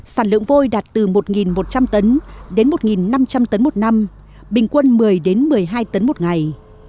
sản lượng vôi đạt từ một một trăm linh tấn đến một năm trăm linh tấn một năm bình quân một mươi một mươi hai tấn một ngày